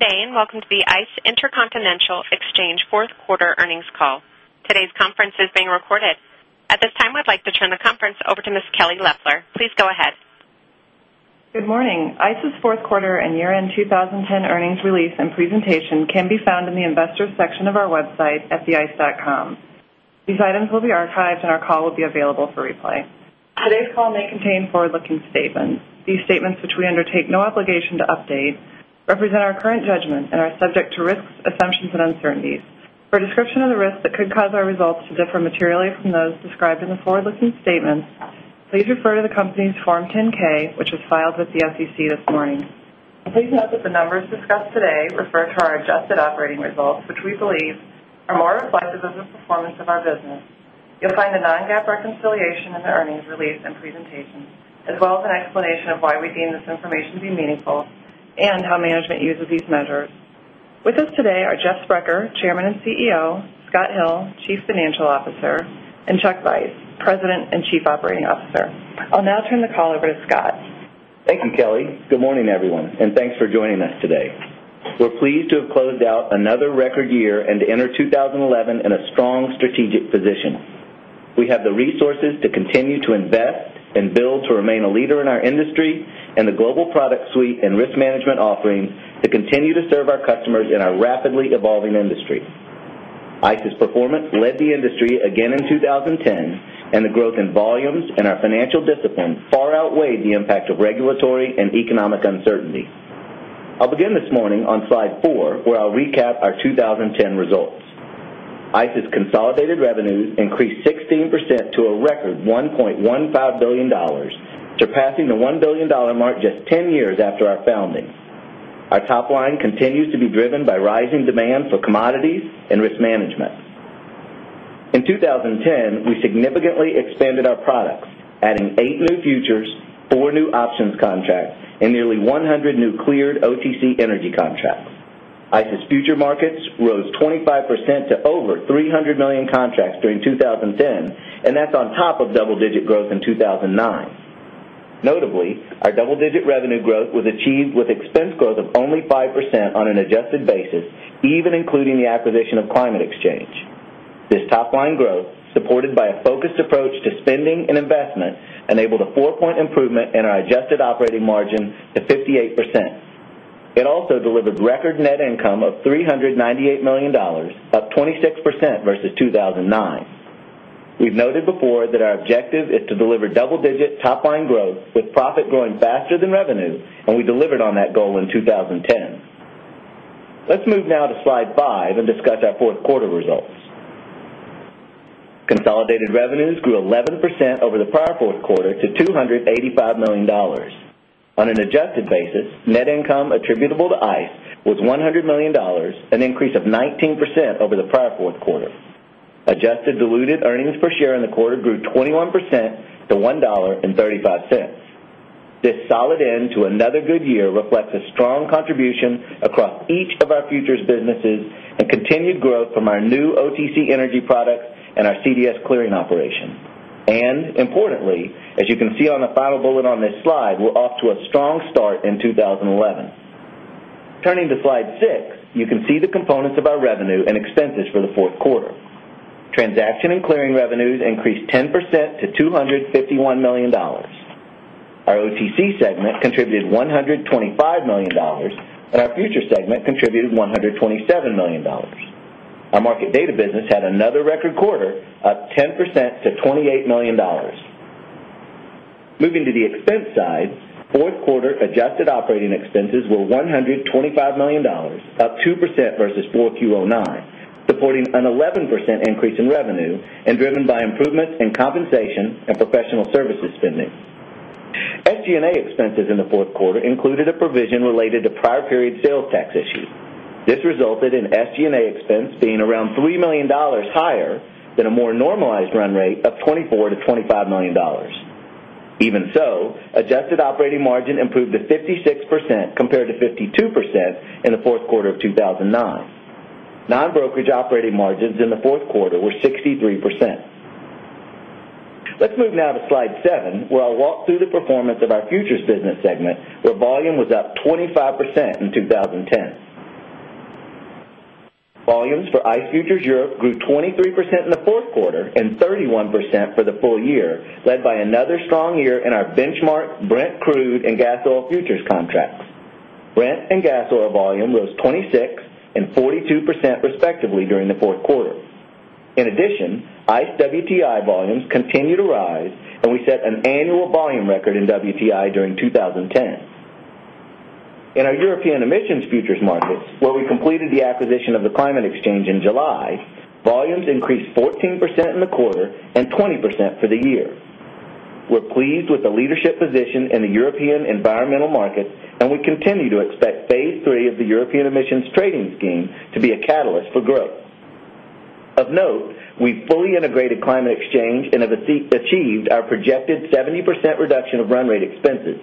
Good day, and welcome to the ICE InterContinental Exchange 4th Quarter Earnings Call. Today's conference is being recorded. At this time, I'd like to turn the conference over to Ms. Kelly Leffler. Please go ahead. Good morning. ICE's 4th quarter and year end 20 10 earnings release and presentation can be found in the Investors section of our site at theice.com. These items will be archived, and our call will be available for replay. Today's call may contain forward looking statements. These statements, which we undertake no obligation to update, represent our current judgment and are subject to risks, assumptions and uncertainties. For a description of the risks that could cause our results to differ materially from those described in the forward looking statements, please refer to the company's Form 10 ks, which was filed with the SEC this morning. And please note that the numbers discussed today refer to our adjusted operating results, which we believe are more reflective of the performance of our business. You'll find a non GAAP reconciliation in the earnings release and presentation as well as an explanation of why we deem this information to be meaningful and how management uses these measures. With us today are Jeff Sprecher, Chairman and CEO Scott Hill, Chief Financial Officer and Chuck Veiss, President and Chief Operating Officer. I'll now turn the call over to Scott. Thank you, Kelly. Good morning, everyone, and thanks for joining us today. We're pleased to have closed out another record year and to enter 2011 in a strong strategic position. We have the resources to continue to invest and build to remain a leader in our industry and the global product suite and risk management offering to continue to serve our customers in our rapidly evolving industry. ICE's performance led the industry again in 2010 and the growth in volumes and our financial discipline far outweighed the impact of regulatory and economic uncertainty. I'll begin this morning on Slide 4 where I'll recap our 20 10 results. ICE's consolidated revenues increased 16% to a record 1 point $15,000,000,000 surpassing the $1,000,000,000 mark just 10 years after our founding. Our top line continues to be driven by rising demand for commodities and risk management. In 2010, we significantly expanded our products, adding 8 new futures, 4 new options contracts and nearly 100 new cleared OTC Energy contracts. ICE's future markets rose 25% to over 300,000,000 contracts during 2010 and that's on top of double digit growth in 2,009. Notably, our double digit revenue growth was achieved with expense growth of only 5% on an adjusted basis even including the acquisition of Climate Exchange. This top line growth supported by a focused approach to spending and investment enabled a 4 point improvement in our adjusted operating margin to 58%. It also delivered record net income of $398,000,000 up 26% versus 2,009. We've noted before that our objective is to deliver double digit top line growth with profit growing faster than revenue and we delivered on that goal in 2010. Let's move now to Slide 5 and discuss our 4th quarter results. Consolidated revenues grew 11% over the prior 4th quarter to $285,000,000 On an adjusted basis, net income attributable to ICE was $100,000,000 an increase of 19% over the prior 4th quarter. Adjusted diluted earnings per share in the quarter grew 21% to $1.35 This solid end to another good year reflects a strong contribution across each of our futures businesses and continued growth from our new OTC Energy products and our CDS clearing operation. And importantly, as can see on the final bullet on this slide, we're off to a strong start in 2011. Turning to Slide 6, you can see the components of our revenue and expenses for the Q4. Transaction and clearing revenues increased 10% to $251,000,000 Our OTC segment contributed $125,000,000 and our Future segment contributed $127,000,000 Our Market Data business had another record quarter, up 10% to $28,000,000 Moving to the expense side, 4th quarter adjusted operating expenses were $125,000,000 up 2% versus 4Q 'nine, supporting an 11% increase in revenue and driven by improvements in compensation and professional services spending. SG and A expenses in the 4th quarter included a provision related to prior period sales tax issue. This resulted in SG and A expense being around $3,000,000 higher than a more normalized run rate of $24,000,000 to $25,000,000 Even so, adjusted operating margin improved to 56% compared to 52% in the Q4 of 2,009. Non brokerage operating margins in the quarter were 63%. Let's move now to Slide 7, where I'll walk through the performance of our futures business segment, where volume was up 25 percent in 2010. Volumes for ICE Futures Europe grew 23% in the 4th quarter and 31% for the full year, led by another strong year in our benchmark Brent crude and gas oil futures contracts. Brent and gas oil volume rose 26 percent 42% respectively during the Q4. In addition, ICE WTI volumes continue to rise and we set an annual volume record in WTI during 2010. In our European emissions futures markets, where we completed the acquisition of the Climate Exchange in July, volumes increased 14% in the quarter 20% for the year. We're pleased with the leadership position in the European environmental markets and we continue to expect Phase 3 of the European emissions trading scheme to be a catalyst for growth. Of note, we fully integrated Climate Exchange and have achieved our projected 70% reduction of run rate expenses.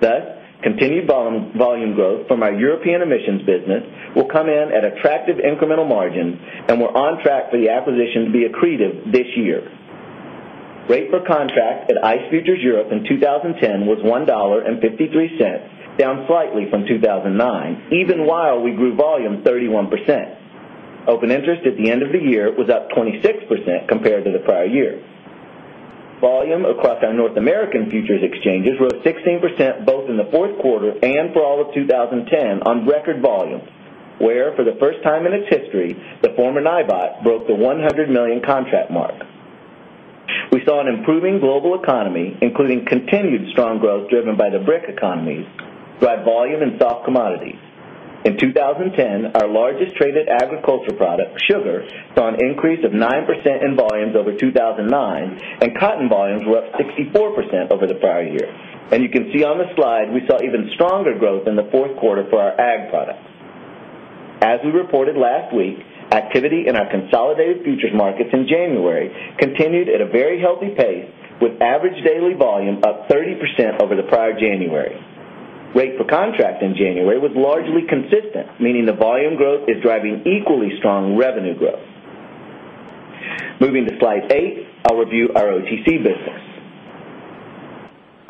Thus, continued volume growth from our European emissions business will come in at attractive incremental margins and we're on track for the acquisition to be accretive $5.3 down slightly from 2,009, even while we grew volume 31%. Open interest at the end of the year was up 26% compared to the prior year. Volume across our North American futures exchanges rose 16% both in the Q4 and for all of 2010 on record volume, where for the first time in its history, the former NIBOK broke the $100,000,000 contract mark. We saw an improving global economy, including continued strong growth driven by the brick economy, drive volume and soft commodities. In 2010, our largest traded agriculture product, sugar, saw an increase of 9% in volumes over 2,009 and cotton volumes were up 64% over the prior year. And you can see on this slide, we saw even stronger growth in the 4th quarter for our Ag products. As we reported last week, activity in our consolidated futures markets in January continued at a very healthy pace with average daily volume up 30% over the prior January. Rate per contract in January was largely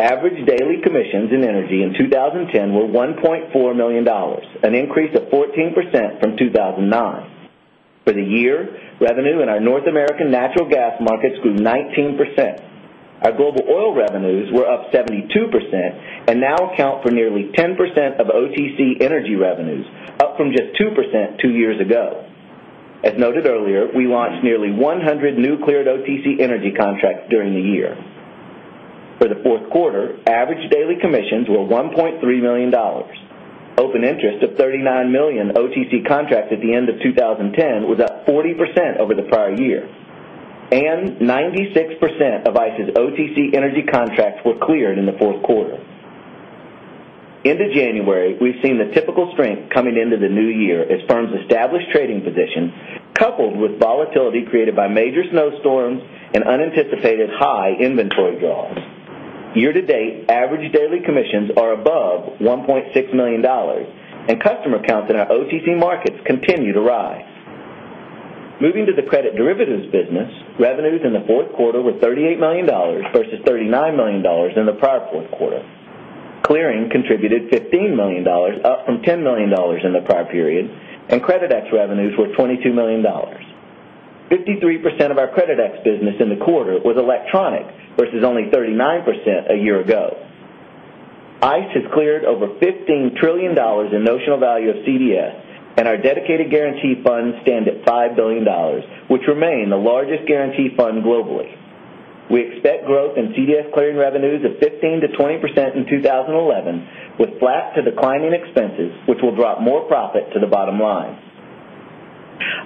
Average daily commissions in Energy in 2010 were $1,400,000 an increase of 14% from 2,009. For the year, revenue in our North American natural gas markets grew 19%. Our global oil revenues were up 72% and now account for nearly 10% of OTC Energy revenues, up from just 2% 2 years ago. As noted earlier, we launched nearly 100 new cleared OTC Energy contracts during the year. For the Q4, average daily commissions were $1,300,000 Open interest of $39,000,000 OTC contracts at the end of 2010 was up 40% over the prior year and 96% of ICE's OTC Energy contracts were cleared in the Q4. End of January, we've seen the typical strength coming into the new year as firms establish trading position coupled with volatility created by major snowstorms and unanticipated high inventory draws. Year to date, average daily commissions are above $1,600,000 and customer counts in our OTC markets continue to rise. Moving to the credit derivatives business, revenues in the 4th quarter were $38,000,000 versus $39,000,000 in the prior 4th quarter. Clearing contributed $15,000,000 up from $10,000,000 in the prior period and Creditex revenues were $22,000,000 53% of our Creditex business in the quarter was electronic versus only 39% a year ago. ICE has cleared over $15,000,000,000,000 in notional value of CDS and our dedicated guarantee funds stand at $5,000,000,000 which remain the largest guarantee fund globally. We expect growth in CDS clearing revenues of 15% to 20% in 2011 with flat to declining expenses, which will drop more profit to the bottom line.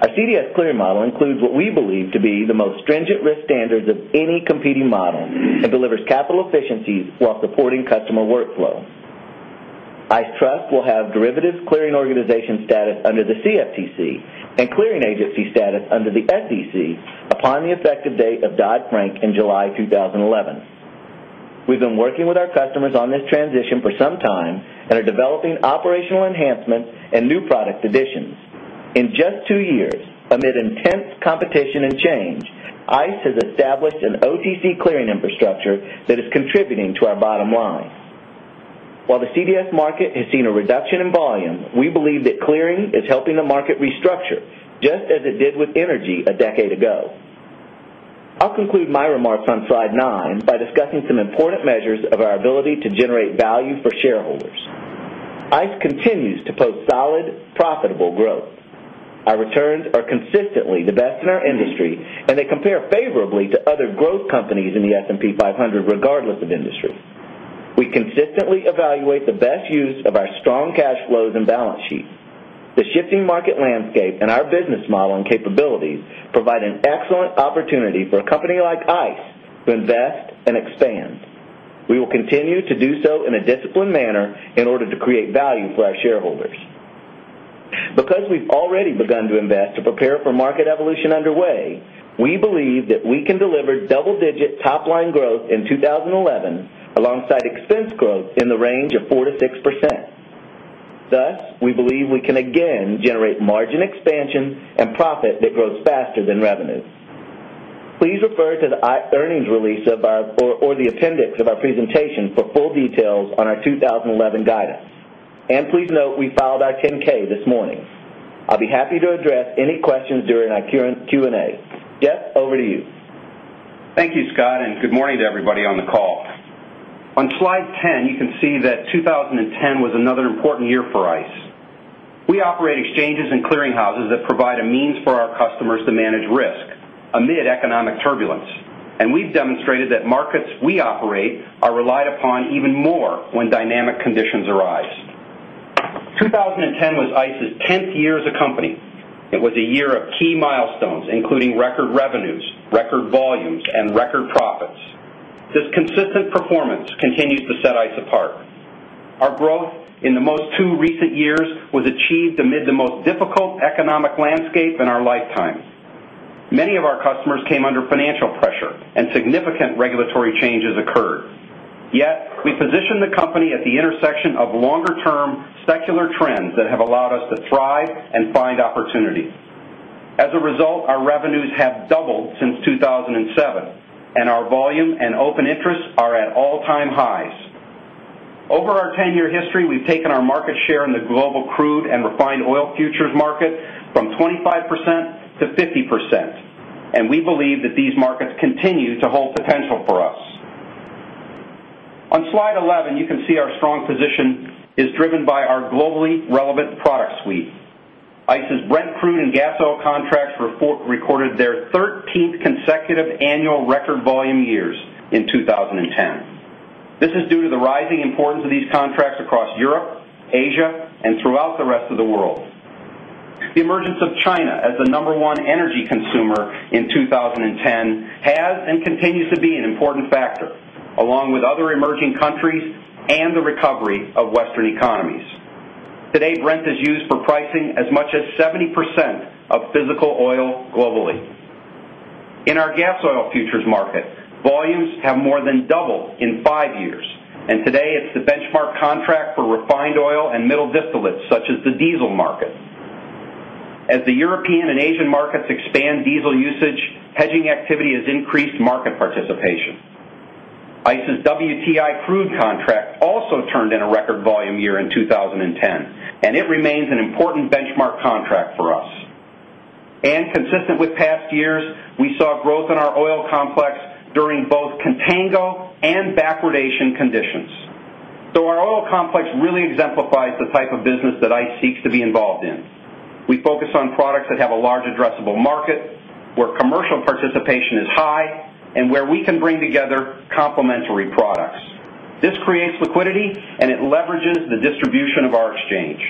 Our CDS clearing model includes what we believe to be the most stringent risk standards of any competing model and delivers capital efficiencies while supporting customer workflow. ICE Trust will have Derivative Clearing Organization status under the CFTC and clearing agency status under the SEC upon the effective date of Dodd Frank in July 2011. We've been working with our customers on this transition for some time and are developing operational enhancements and new product additions. In just 2 years, amid intense competition and change, ICE has established an OTC clearing infrastructure that is contributing to our bottom line. While the CDS market has seen a reduction in volume, we believe that clearing is helping the market restructure just as it did with energy a decade ago. I'll conclude my remarks on slide 9 by discussing some important measures of our ability to generate value for shareholders. ICE continues to post solid profitable growth. Our returns are consistently the best in our industry and they compare favorably to other growth companies in the S and P 500 regardless of industry. We consistently evaluate the best use of our strong cash flows and balance sheet. The shifting market landscape and our business model and capabilities provide an excellent opportunity for a company like ICE to invest and expand. We will continue to do so in a disciplined manner in order to create value for our shareholders. Because we've already begun to invest to prepare for market evolution underway, we believe that we can deliver double digit top line growth in 2011 alongside expense growth in the range of 4% to 6%. Thus, we believe we can again generate margin expansion and profit that grows faster than revenues. Please refer to the earnings release or the appendix of our presentation for full details on our 2011 guidance. And please note, we filed our 10 ks this morning. I'll be happy to address any questions during our Q and A. Jeff, over to you. Thank you, Scott, and good morning to everybody on the call. On Slide 10, you can see that 2010 was another important year for ICE. We operate exchanges and clearinghouses that provide a means for our customers to manage risk amid economic turbulence, and we've demonstrated that markets we operate are relied upon even more when dynamic conditions arise. 2010 was ICE's 10th year as a company. It was a year of key milestones, including record revenues, record volumes and record profits. This consistent performance continues to set ICE apart. Our growth in the most two recent years was achieved amid the most difficult economic landscape in our lifetime. Many of our customers came under financial pressure and significant regulatory changes occurred. Yet, we positioned the company at the intersection of longer term secular trends that have allowed us to thrive and find opportunities. As a result, our revenues have doubled since 2007 and our volume and open interest are at all time highs. Over our 10 year history, we've taken our market share in the global crude and refined oil futures market from 25% to 50%, and we believe that these markets continue to hold potential for us. On Slide 11, you can see our strong position is driven by our globally relevant product suite. ICE's Brent Crude and Gas Oil contracts recorded their 13th consecutive annual record volume years in 2010. This is due to the rising importance of these contracts across Europe, Asia and throughout the rest of the world. The emergence of China as the number one energy consumer in 2010 has and continues to be an important factor, along with other emerging countries and the recovery of Western economies. Today, Brent is used for pricing as much as 70% of physical oil globally. In our gas oil futures market, volumes have more than doubled in 5 years, and today it's the benchmark contract for refined oil and middle distillates such as the diesel market. As the European and Asian markets expand diesel usage, hedging activity has increased market participation. ICE's WTI crude contract also turned in a record volume year in 2010, and it remains an important benchmark contract for us. And consistent with past years, we saw growth in our oil complex during both contango and backwardation conditions. So our oil complex really exemplifies the type of business that ICE seeks to be involved in. We focus on products that have a large addressable market where commercial participation is high and where we can bring together complementary products. This creates liquidity and it leverages the distribution of our exchange.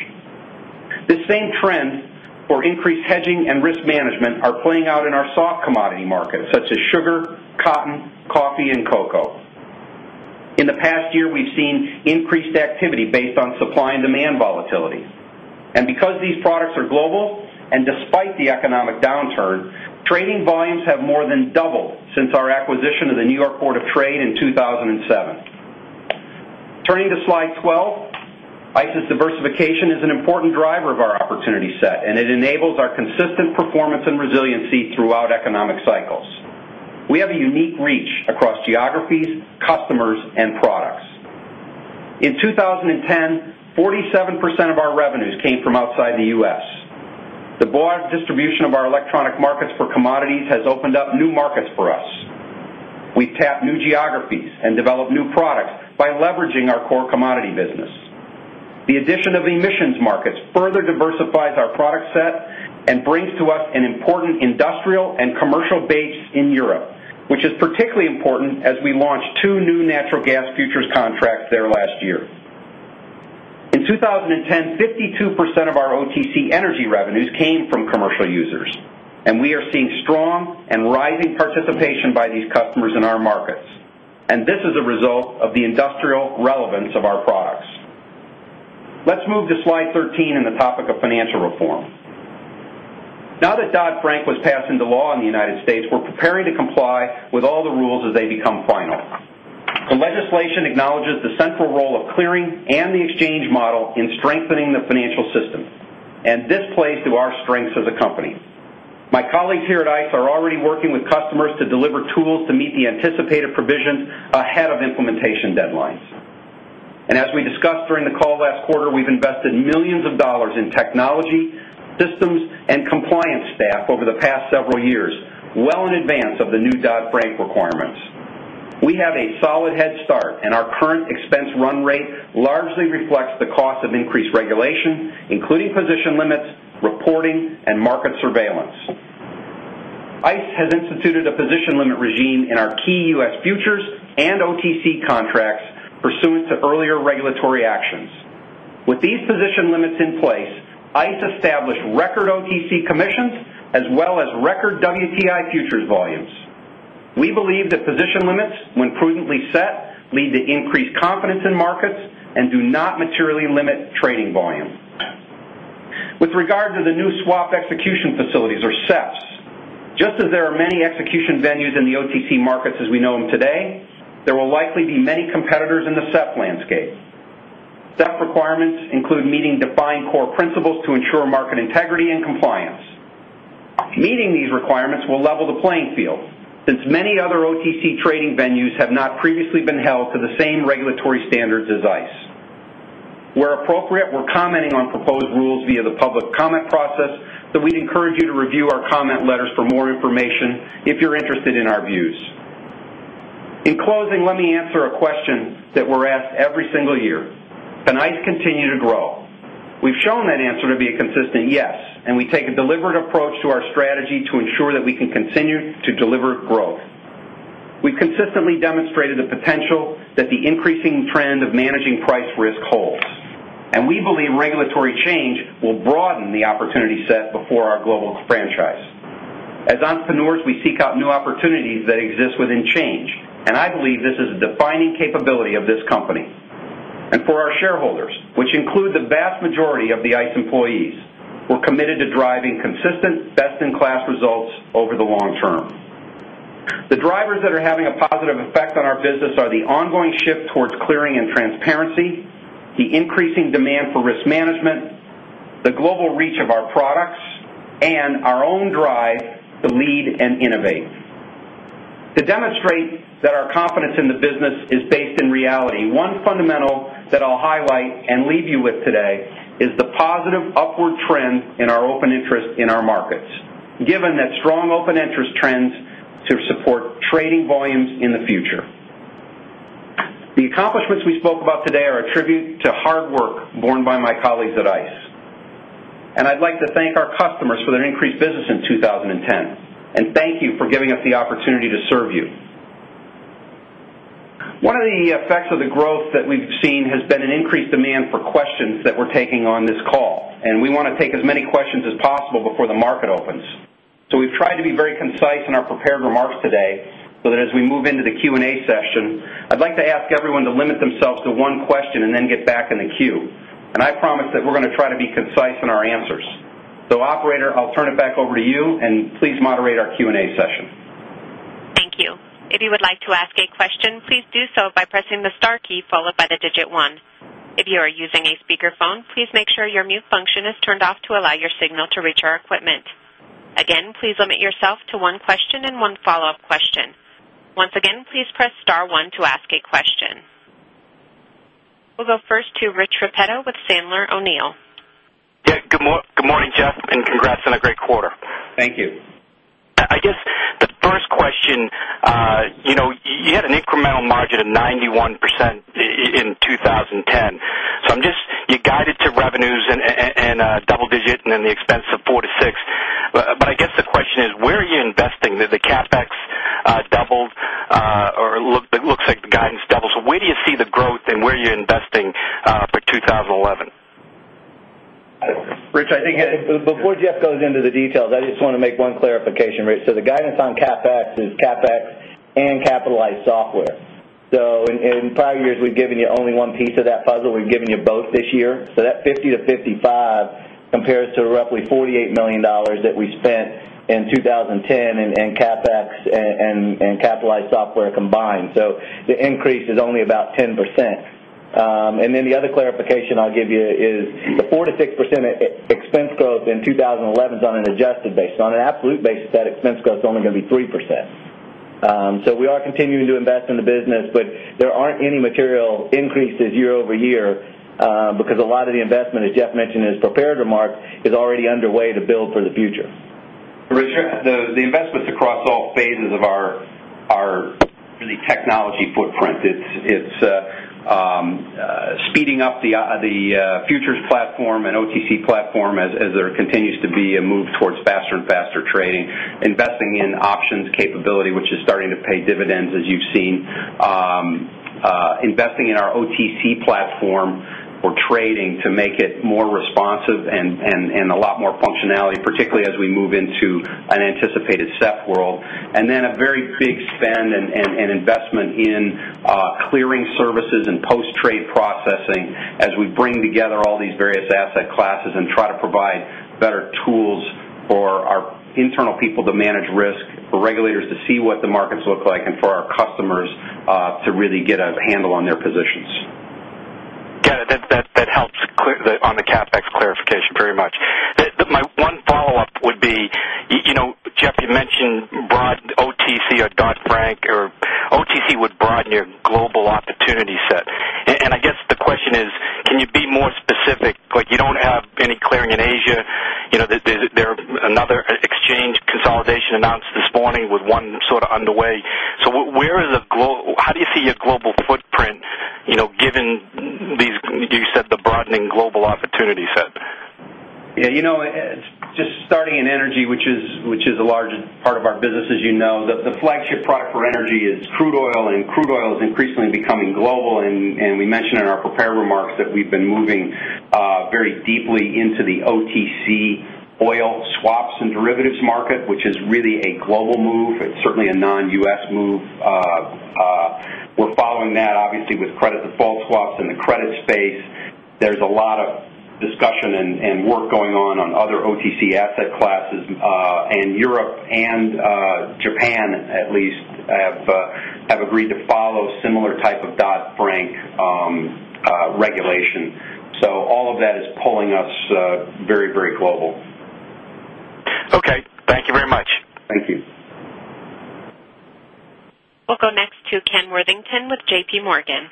The same trend for increased hedging and risk management are playing out in our soft commodity markets such as sugar, cotton, coffee and cocoa. In the past year, we've seen increased activity based on supply and demand volatility. And because these products are global and despite the economic downturn, trading volumes have more than doubled since our acquisition of the New York Board of Trade in 2007. Turning to Slide 12, ICE's diversification is an important driver of our opportunity set and it enables our consistent performance and resiliency throughout economic cycles. We have a unique reach across geographies, customers and products. In 2010, 47 percent of our revenues came from outside the U. S. The broad distribution of our markets for commodities has opened up new markets for us. We've tapped new geographies and developed new products by leveraging our core commodity business. The addition of emissions markets further diversifies our product set and brings to us an important industrial and commercial base in Europe, which is particularly important as we launch 2 new natural gas futures contracts there last year. In 2010, 52% of our OTC Energy revenues came from commercial users, and we are seeing strong and rising participation by these customers in our markets. And this is a result of the industrial relevance of our products. Let's move to Slide 13 and the topic of financial reform. Now that Dodd Frank was passed into law in the United States, we're preparing to comply with all the rules as they become final. The legislation acknowledges the central role of clearing and the exchange model in strengthening the financial system, and this plays to our strengths as a company. My colleagues here at ICE are already working with customers to deliver tools to meet the anticipated provisions ahead of implementation deadlines. And as we discussed during the call last quarter, we've invested 1,000,000 of dollars in technology, systems and compliance staff over the past several years, well in advance of the new Dodd Frank requirements. We have a solid head start and our current expense run rate largely reflects the cost of increased regulation, including position limits, reporting and market surveillance. ICE has instituted a position limit regime in our key U. S. Futures and OTC contracts pursuant to earlier regulatory actions. With these position limits in place, ICE established record OTC commissions as well as record WTI futures volumes. We believe that position limits, when prudently set, lead to increased confidence in markets and do not materially limit trading volume. With regard to the new swap execution facilities or SEFs, just as there are many execution venues in the OTC markets as we know them today, there will likely be many competitors in the SEP landscape. SEP requirements include meeting defined core principles to ensure market integrity and compliance. Meeting these requirements will level the playing field since many other OTC trading venues have not previously been held to the same regulatory standards as ICE. Where appropriate, we're commenting on proposed rules via the public comment process, so we'd encourage you to review our comment letters for more information if you're interested in our views. In closing, let me answer a question that we're asked every single year. Can I continue to grow? We've shown that answer to be a consistent yes and we take a deliberate approach to our strategy to ensure that we can continue to deliver growth. We've consistently demonstrated the potential that the increasing trend of managing price risk holds, and we believe regulatory change will broaden the opportunity set before our global franchise. As entrepreneurs, we seek out new opportunities that exist within change, and I believe this is a defining capability of this company. And for our shareholders, which include the vast majority of the ICE employees, we're committed to driving consistent best in class results over the long term. The drivers that are having a positive effect on our business are the ongoing shift towards clearing and transparency, the increasing demand for risk management, the global reach of our products and our own drive to lead and innovate. To demonstrate that our confidence in the business is based in reality, one fundamental that I'll highlight and leave you with today is the positive upward trend in our open interest in our markets, given that strong open interest trends to support trading volumes in the future. The accomplishments we spoke about today are a tribute to hard work borne by my colleagues at ICE. And I'd like to thank our customers for their increased business in 2010 and thank you for giving us the opportunity to serve you. One of the effects of the growth that we've seen has been an increased demand for questions that we're taking on this call and we want to take as many questions as possible before the market opens. So we've tried to be very concise in our prepared remarks today, so that as we move into the Q and A session, I'd like to ask everyone to limit themselves to one question and then get back in the queue. And I promise that we're going to try to be concise in our answers. So operator, I'll turn it back over to you and please moderate our Q and A session. Thank We'll go first to Rich Repetto with Sandler O'Neill. Yes. Good morning, Jeff, and congrats on a great quarter. Thank you. I guess the first question, you had an incremental margin of 91% in 2010. So I'm just you guided to revenues in double digit and then the expense of 4% to 6%. But I guess the question is, where are you investing? Did the CapEx doubled or it looks like the guidance doubled? So where do you see the growth and where are you investing for 2011? Rich, I think before Jeff goes into the details, I just want to make one clarification, Rich. So the guidance on CapEx is CapEx and capitalized software. So in prior years, we've given you only one piece of that puzzle. We've given you both this year. So that $50,000,000 to $55,000,000 compares to roughly $48,000,000 that we spent in 2010 and CapEx and capitalized software combined. So the increase is only about 10%. And then the other clarification I'll give you is the 4% to 6% expense growth in 2011 is on an adjusted basis. On an absolute basis, that expense growth is only going to be 3%. So we are continuing to invest in the business, but there aren't any material increases year over year because a lot of the investment as Jeff mentioned in his prepared remarks is already underway to build for the future. The investments across all phases of our for the technology footprint, it's speeding up the futures platform and OTC platform as there continues to be a move faster and faster trading, investing in options capability, which is starting to pay dividends as you've seen, investing in our OTC platform or trading to make it more responsive and a lot more functionality, particularly as we move into an anticipated CEP world and then a very big spend and investment in clearing services and post trade processing as we bring together all these various asset classes and try to provide better tools for our internal people to manage risk, for regulators to see what the markets look like and for our customers to really get a handle on their positions. Got it. That helps on the CapEx clarification very much. My one follow-up would be, Jeff, you mentioned broad OTC or Dodd Frank or OTC would broaden your global opportunity set. And I guess the question is, can you be more specific? Like you don't have any clearing in Asia. There another exchange consolidation announced this morning with one sort of underway. So where is the how do you see your global footprint given these you said the broadening global opportunity set? Yes. Just starting in energy, which is a large part of our business, as you know, the flagship product for energy is crude oil and crude oil is increasingly becoming global. And we mentioned in our prepared remarks that we've been moving very deeply into the OTC oil swaps and derivatives market, which is really a global move. It's certainly a non U. S. Move. We're following that obviously with credit default swaps in the credit space. There's a lot of discussion and work going on, on other OTC asset classes and Europe and Japan at least agreed to follow similar type of Dodd Frank regulation. So all of that is pulling us very, very global. Okay. Thank you very much. Thank you. We'll go next to Ken Worthington with JPMorgan.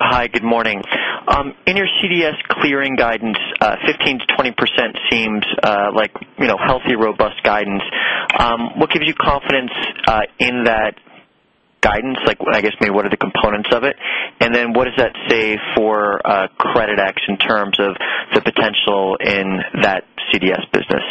Hi, good morning. In your CDS clearing guidance, 15% to 20% seems like healthy robust guidance. What gives you confidence in that guidance? Like, I guess, maybe what are the components of it? And then what does that say for CreditX in terms of the potential in that CDS business?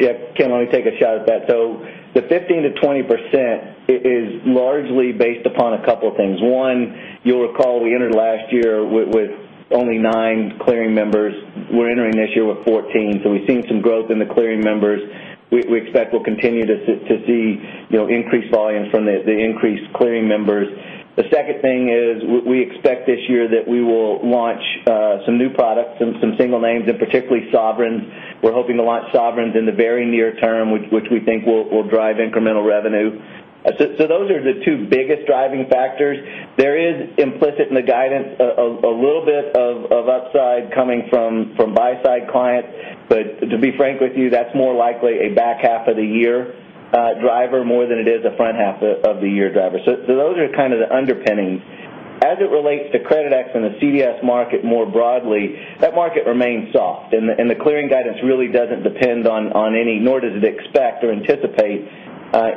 Yes. Ken, let me take a shot at that. So the 15% to 20% is largely based upon a couple of things. One, you'll recall we entered last year with only 9 clearing members. We're entering this year with 14. So we've seen some growth in the clearing members. We expect we'll continue to see increased volumes from the increased clearing members. The second thing is we expect this year that we will launch some new products and some single names and particularly Sovereigns. We're hoping to launch Sovereigns in the very near term, which we think will drive incremental revenue. So those are the 2 biggest driving factors. There is implicit in the guidance a little bit of upside coming from buy side clients, but to be frank with you, that's more likely a back half of the year driver more than it is a front half of the year driver. So those are kind of the underpinning. As it relates to Creditex and the CDS market more broadly, that market remains soft and the clearing guidance really doesn't depend on any nor does it expect or anticipate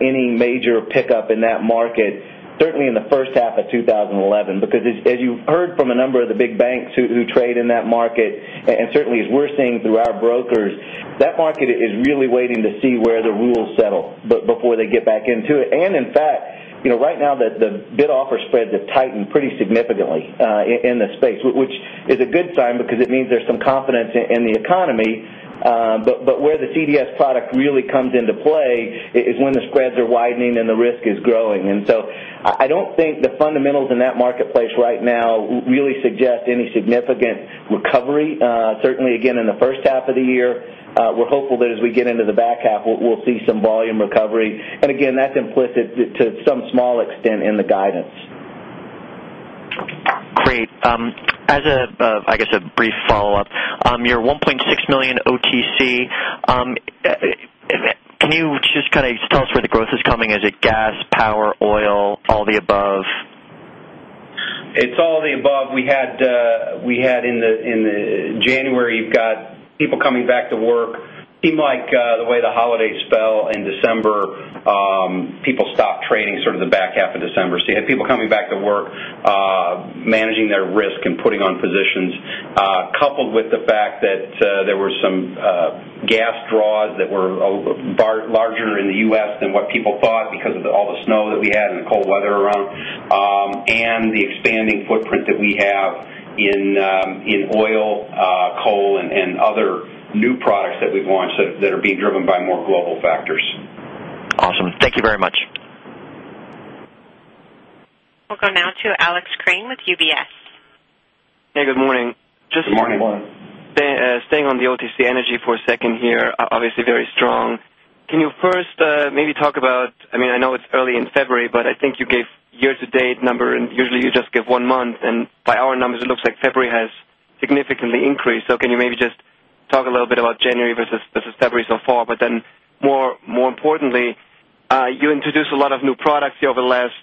any major pickup in that market certainly in the first half of twenty eleven because as you've heard from a number of the big banks who trade in that market and certainly as we're seeing through our brokers, that market is really waiting to see where the rules settle before they get back into it. And in fact, right now the bid offer spreads have tightened pretty significantly in this space, which is a good sign because it means there's some confidence in the economy. But where the CDS product really comes into play is when the spreads are widening and the risk is growing. And so, I don't think the fundamentals in that market place right now really suggest any significant recovery. Certainly again in the first half of the year, we're hopeful that as we get into the back half, we'll see some volume recovery. And again, that's implicit to some small extent in the guidance. Great. As a, I guess, a brief follow-up, your $1,600,000 OTC, can you just kind of tell us where the growth is coming? Is it gas, power, oil, all of the above? It's all of the above. We had in January, you've got people coming back to work. It seemed like the way the holidays fell in December, people stopped trading sort of the back half of December. So you had people coming back to work, managing their risk and putting on physicians, coupled with the fact that there were some gas draws that were larger in the U. S. Than what people thought because of all the snow that we had and the cold weather around and the expanding footprint that we have in oil, coal and other new products that we've launched that are being driven by more global factors. Awesome. Thank you very much. We'll go now to Alex Crane with UBS. Hey, good morning. Good morning. Just staying on the OTC Energy for a second here, obviously very strong. Can you first maybe talk about I mean, I know it's early in February, but I think you gave year to date number and usually you just give 1 month. And by our numbers, it looks like February has significantly increased. So can you maybe just talk a little bit about January versus February so far? But then more importantly, you introduced a lot of new products here over the last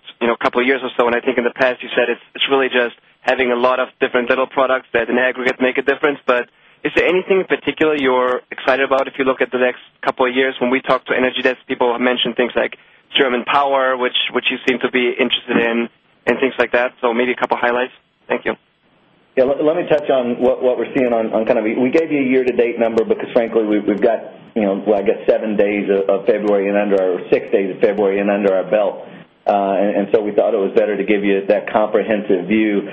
couple of years or so. And I think in the past, you said it's really just having a lot of different little products that in aggregate make a difference. But is there anything in particular you're excited about if you look at the next couple of years? When we talk to energy desk people have mentioned things like German power which you seem to be interested in and things like that. So maybe a couple of highlights. Thank you. Yes. Let me touch on what we're seeing on kind of we gave you a year to date number because frankly we've got I guess, 7 days of February and under our 6 days of February and under our belt. And so, we thought it was better to give you that comprehensive view.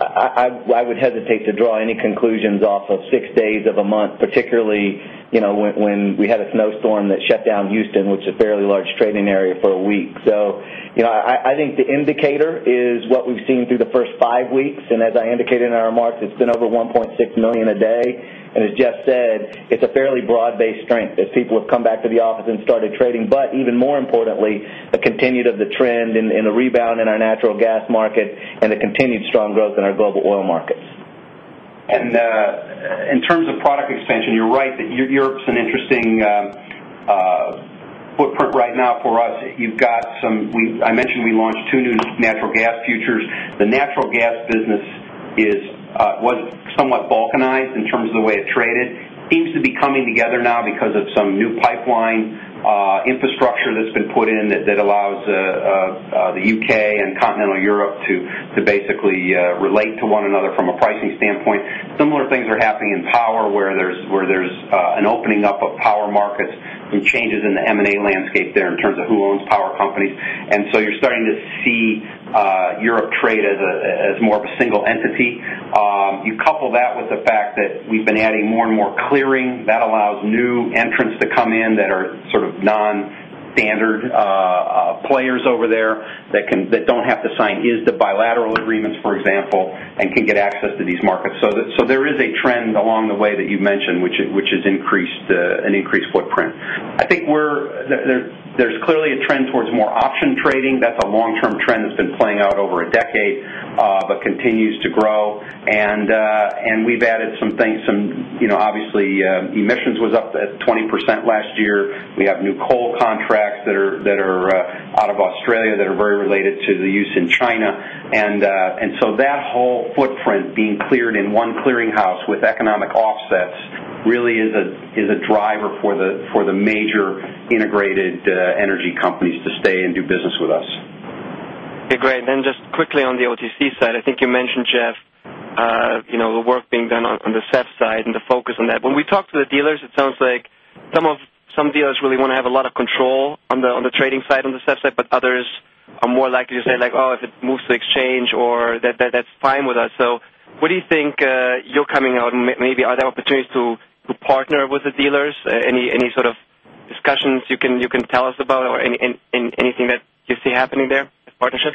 I would hesitate to draw any conclusions off of 6 days of a month, particularly when we had a snowstorm that shut down Houston, which is a fairly large trading area for a week. So I think the indicator is what we've seen through the 1st 5 weeks. And as I indicated in our remarks, it's been over $1,600,000 a day. And as Jeff said, it's a fairly broad based strength as people have come back to the office and started trading, but even more importantly, the continued of the trend and the rebound in our natural gas market and the continued strong growth in our global oil markets. And in terms of product expansion, you're right that Europe is an interesting footprint right now for us. You've got some I mentioned we launched 2 new natural gas futures. The natural gas business was somewhat balkanized in terms of the way it traded, seems to be coming together now because of some new pipeline infrastructure that's been put in that allows the U. K. And Continental Europe to basically relate to one another from a pricing standpoint. Similar things are happening in power where there's an opening up of power markets and changes in the M and A landscape there in terms of who owns power companies. And so you're starting to see Europe trade as more of a single entity. You couple that with the fact that we've been adding more and more clearing that allows new entrants to come in that are sort of non standard players over there that don't have to sign is the bilateral agreements, for example, can get access to these markets. So, there is a trend along the way that you mentioned, which has increased an increased footprint. I think there's clearly a trend towards more option trading. That's a long term trend that's been playing out over a decade, but continues to grow. And we've added some things. Obviously, emissions was up at 20% last year. We have new coal contracts that are out of Australia that are very related to the use in China. And so that whole footprint being cleared in one clearinghouse with economic offsets really is a driver for the major integrated energy companies to stay and do business with us. Okay, great. And then just quickly on the OTC side, I think you mentioned, Jeff, the work being done on the SEF side and the focus on that. When we talk to the dealers, it sounds like some dealers really want to have a lot of control on the trading side on the step side, but others are more likely to say like, oh, if it moves to exchange or that's fine with us. So what do you think you're coming out? And maybe are there opportunities to partner with the dealers? Any sort of discussions you can tell us about? Or anything that you see happening there, the partnership?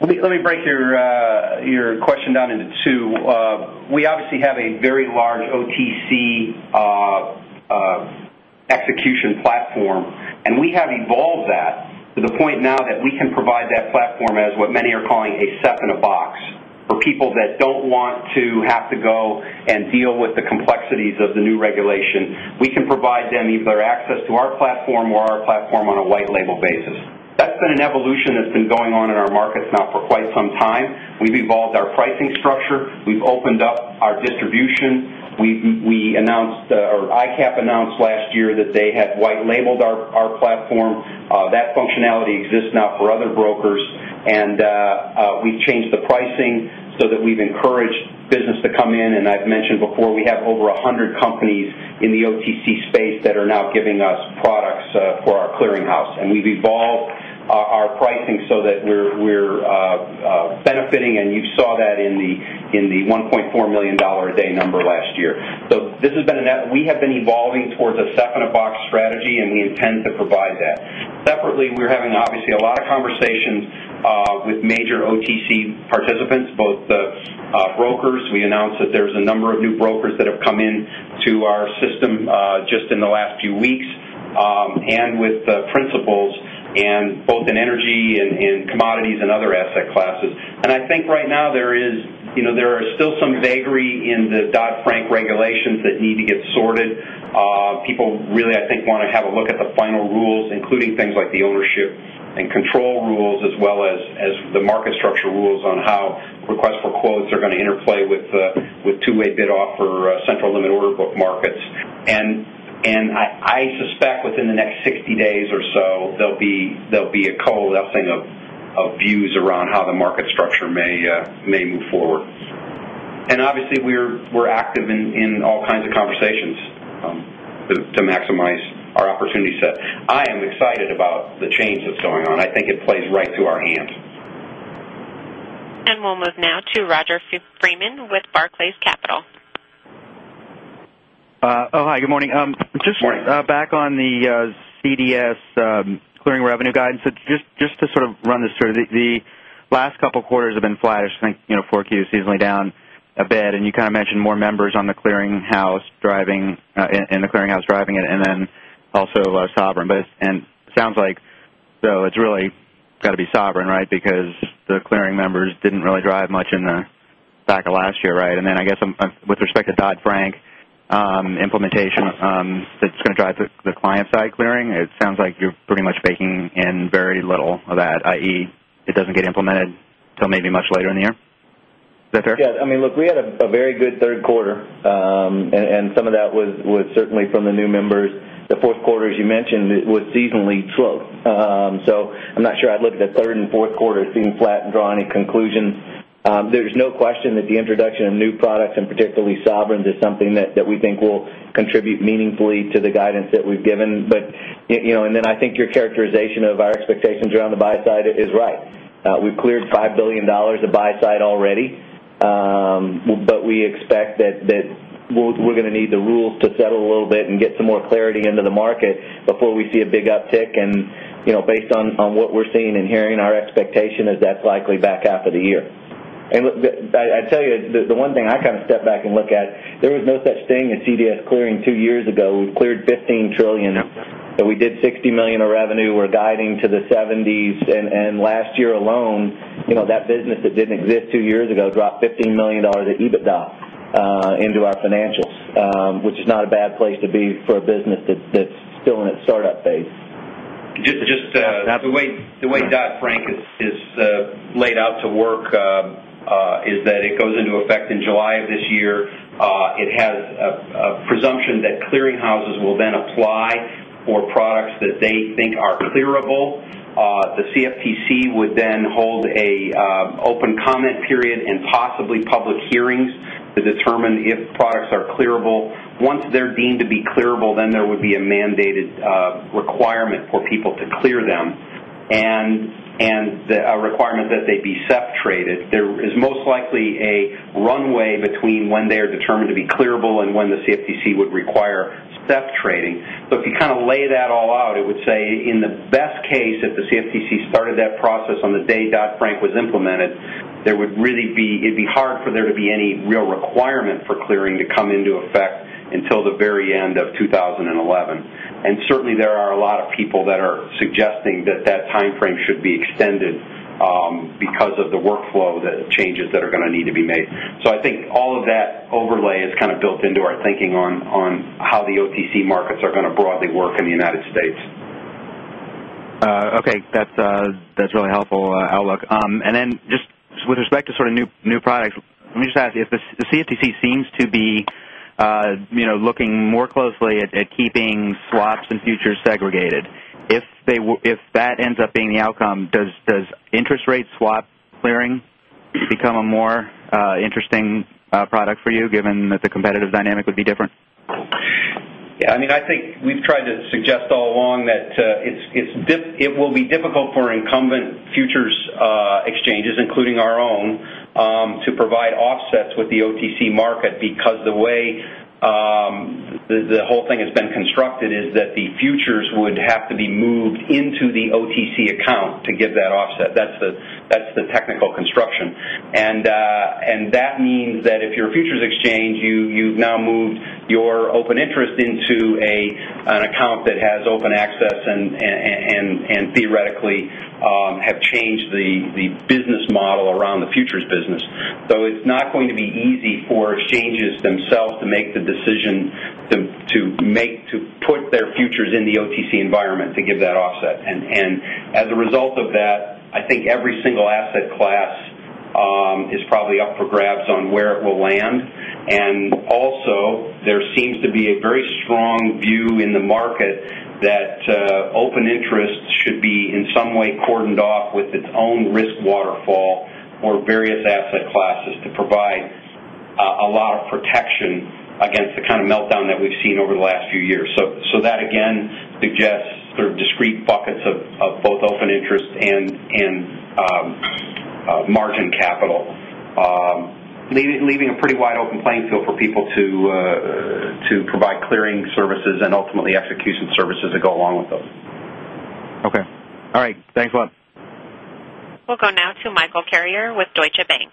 Let me break your question down into 2. We obviously have a very large OTC execution platform and we have evolved that to the point now that we can provide that platform as what many are calling a step in a box for people that don't want to have to go and deal with the complexities of the new regulation, we can provide them either access to our platform or our platform on a white label basis. That's been an evolution that's been going on in our markets now for quite some time. We've evolved our pricing structure. We've opened up our distribution. We announced or iCap announced last year that they had white labeled our platform. That functionality exists now for other brokers, and we've changed the pricing so that we've encouraged business to come in and I've mentioned before we have over 100 companies in the OTC space that are now giving us products for our clearinghouse. And we've evolved our pricing so that we're benefiting and you saw that in the $1,400,000 a day number last year. So this has been a net we have been evolving towards a step in a box strategy and we intend to provide that. Separately, we're having obviously a lot of conversations with major OTC participants, both brokers. We announced that there's a number of new brokers that have come in to our system just in the last few weeks and with the principles and both in energy and commodities and other asset classes. And I think right now there is still some vagary in the Dodd Frank regulations that need to get sorted. People really, I think, want to have a look at the final rules, including things like the ownership and control rules as well as the market structure rules on how request for quotes are going to interplay with 2 way bid offer central limit order book markets. And I suspect within the next 60 days or so, there will be a coalescing of views around how the market structure may move forward. And obviously, we're active in all kinds of conversations to maximize our opportunity set. I am excited about the change that's going on. I think it plays right to our hands. And we'll move now to Roger Freeman with Barclays Capital. Hi, good morning. Just back on the CDS clearing revenue guidance, just to sort of run this through, the last couple of quarters have been flattish. I think 4Q is seasonally down a bit and you kind of mentioned more members on the clearing house driving in the clearing house driving it and then also Sovereign. But it sounds like so it's really got to be Sovereign, right, because the clearing members didn't really drive much in the back of last year, right? And then I guess with respect to Dodd Frank implementation that's going to drive the client side clearing? It sounds like you're pretty much baking in very little of that I. E. It doesn't get implemented until maybe much later in the year. Is that fair? Yes. I mean look we had a very good Q3 and some of that was certainly from the new members. The Q4, as you mentioned, was seasonally slow. So, I'm not sure I'd look at the 3rd and 4th quarter, it seemed flat and draw any conclusions. There's no question that the introduction of new products and particularly Sovereigns is something that we think will contribute meaningfully to the guidance that we've given. But and then I think your characterization of our expectations around the buy side is right. We've cleared $5,000,000,000 of buy side already, but we expect that we're going to need the rules to settle a little bit and get some more clarity into the market before we see a big uptick. And based on what we're seeing and hearing our expectation is that's likely back half of the year. And look, I'd tell you the one thing I kind of step back and look at, there is no such thing as CDS clearing 2 years ago. We've cleared $15,000,000,000,000 but we did $60,000,000 of revenue. We're guiding to the 70s and last year alone, that business that didn't exist 2 years ago dropped $15,000,000 of EBITDA into our financials, which is not a bad place to be for a business that's still in its startup phase. Just the way Dodd Frank has laid out to work is that it goes into effect in July of this year. It has a presumption that clearinghouses will then apply for products that they think are clearable. The CFTC would then hold an open comment period and possibly public hearings to determine if products are clearable. Once they're deemed to be clearable, then there would be a mandated requirement for people to clear them and a requirement that they be separated. There is most likely a runway between when they are determined to be clearable and when the CFTC would require step trading. But if you kind of lay that all out, it would say in the best case, if the CFTC started that process on the day Dodd Frank was implemented, there would really be it'd be hard for there to be any real requirement for clearing to come into effect until the very end of 2011. And certainly, there are a lot of people that are suggesting that that timeframe should be extended because of the workflow, the changes that are going to need to be made. So I think all of that overlay is kind of built into our thinking on how the OTC markets are going to broadly work in the United States. Okay. That's really helpful outlook. And then just with respect to sort of new products, let me just ask you if the CST seems to be looking more closely at keeping swaps and futures segregated. If that ends up being the outcome, does interest rate swap clearing become a more interesting product for you given that the competitive dynamic would be different? I think we've tried to suggest all along that it will be difficult for incumbent futures exchanges, including our own, to provide offsets with the OTC market because the way the whole thing has been constructed futures would have to be moved into the OTC account to get that offset. That's the technical construction. And that means that if your futures exchange, you've now moved your open interest into an account that has open access and theoretically have changed the business model around the futures business. So it's not going to be easy for exchanges themselves to make the decision to put their futures in the OTC environment to give that offset. And as a result of that, I think every single asset class is probably up for grabs on where it will land. And also, there seems to be a very strong view in the market that open interest should be in some way cordoned off with its own risk waterfall or various asset classes to provide a lot of protection against the kind of meltdown that we've seen over the last few years. So that again suggests sort of discrete buckets of both open interest and margin capital, leaving a pretty wide open playing field for people to provide clearing services and ultimately execution services that go along with those. Okay. All right. Thanks a lot. We'll go now to Michael Carrier with Deutsche Bank.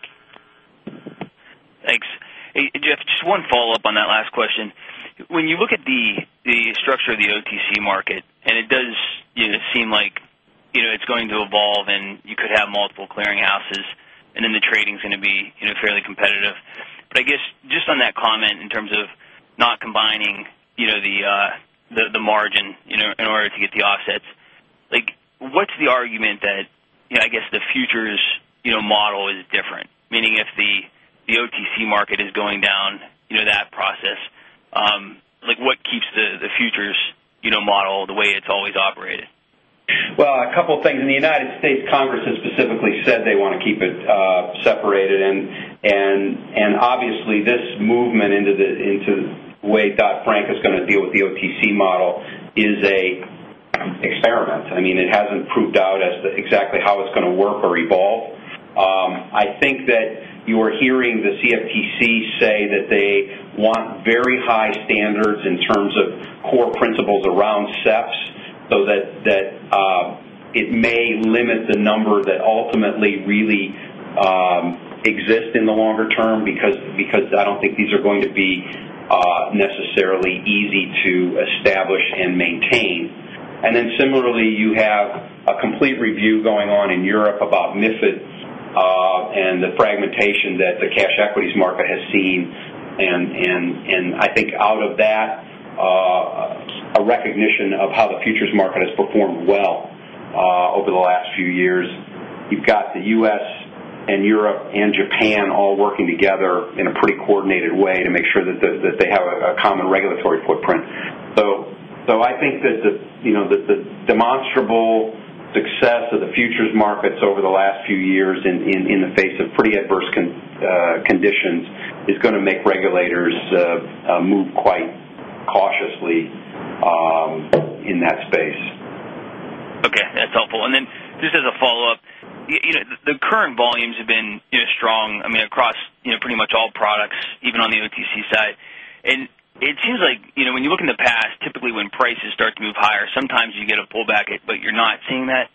Thanks. Jeff, just one follow-up on that last question. When you look at the structure of the OTC market and it does seem like it's going to evolve and you could have multiple clearing houses and then the trading is going to be fairly competitive. But I guess just on that comment in terms of not combining the margin in order to get the offsets. Like what's the argument that I guess the futures model is different? Meaning if the OTC market is going down that process, like what keeps the futures model the way it's always operated? Well, a couple of things. In the United States, Congress has specifically said they want to keep it separated. And obviously, this movement into way Dodd Frank is going to deal with the OTC model is an experiment. I mean, it hasn't proved out as to exactly how it's going to work or evolve. I think that you are hearing the CFTC say that they want very high standards in terms of core principles around seps so that it may limit the number that ultimately really exist in the longer term because I don't think these are going to be necessarily easy to establish and maintain. And then similarly, you have a complete review going on in Europe about MiFID and the fragmentation that the cash equities market has seen. And I think out of that, a recognition of how the futures market has performed well over the last few years. You've got the U. S. And Europe and Japan all working together in a pretty coordinated way to make sure they have a common regulatory footprint. So, I think that the demonstrable success of the futures markets over the last few years in the face of pretty adverse conditions is going to make regulators move quite cautiously in that space. Okay. That's helpful. And then just as a follow-up, the current volumes have been strong, I mean across pretty much all products even on the OTC side. And it seems like when you look in the past, typically when prices start to move higher, sometimes you get a pullback, but you're not seeing that.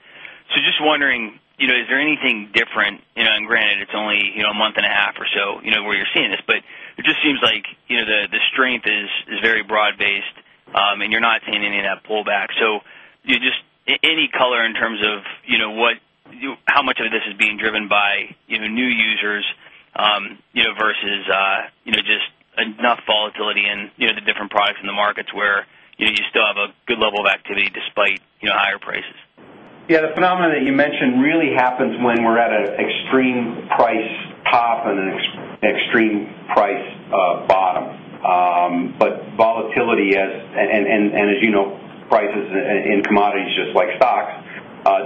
So just wondering, is there anything different and granted it's only 1.5 months or so where you're seeing this, but it just seems like the strength is very broad based and you're not seeing any of that pullback. So just any color in terms of what how much of this is being driven by new users versus just enough volatility in the different products in the markets where you still have a good level of activity despite higher prices? Yes. The phenomena that you mentioned really happens when we're at an extreme price top and an extreme price bottom. But volatility as and as you know, prices in commodities just like stocks